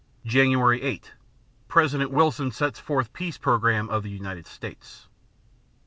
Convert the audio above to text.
_Jan. 8 President Wilson sets forth peace program of the United States.